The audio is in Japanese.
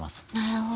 なるほど。